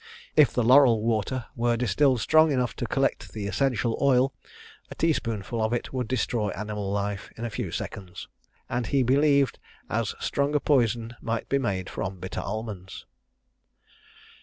If the laurel water were distilled strong enough to collect the essential oil, a tea spoonful of it would destroy animal life in a few seconds; and he believed as strong a poison might be made from bitter almonds.